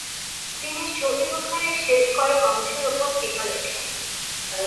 তিনি সহিহ বুখারীর শেষ কয়েক অংশের উপর টীকা লেখেন।